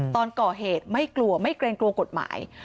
ตอนก่อเหตุไม่กลัวไม่เกรงกลัวกฎหมาย